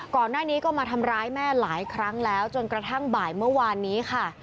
ก่อนหน้านี้ก็มาทำร้ายแม่หลายครั้งแล้วจนกระทั่งบ่ายเมื่อวานนี้ค่ะ